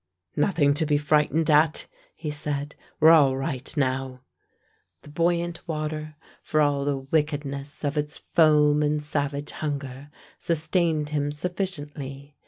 "Nothing to be frightened at," he said. "We're all right now." The buoyant water, for all the wickedness of its foam and savage hunger, sustained him sufficiently.